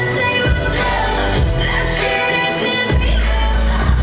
สวัสดีครับ